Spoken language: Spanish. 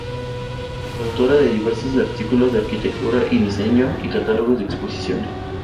Es autora de diversos artículos de arquitectura y diseño y catálogos de exposiciones.